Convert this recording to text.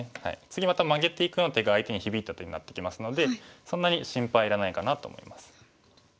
次またマゲていくような手が相手に響いた手になってきますのでそんなに心配いらないかなと思います。